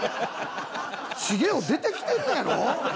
茂王出てきてんねやろ？